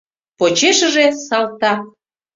Почешыже — салтак.